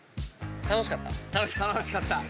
楽しかった？